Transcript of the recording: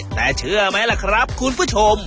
แต่เชื่อไหมล่ะครับคุณผู้ชม